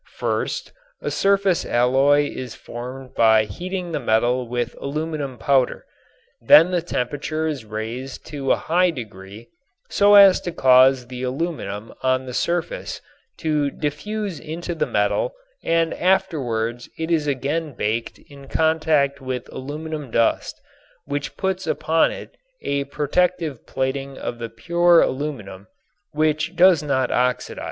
First a surface alloy is formed by heating the metal with aluminum powder. Then the temperature is raised to a high degree so as to cause the aluminum on the surface to diffuse into the metal and afterwards it is again baked in contact with aluminum dust which puts upon it a protective plating of the pure aluminum which does not oxidize.